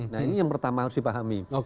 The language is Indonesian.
nah ini yang pertama harus dipahami